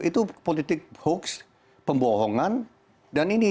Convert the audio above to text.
itu politik hoax pembohongan dan ini